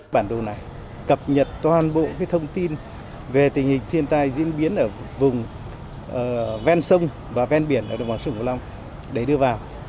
bản đồ này cập nhật toàn bộ thông tin về tình hình thiên tai diễn biến ở vùng ven sông và ven biển ở đồng bằng sông cổ long để đưa vào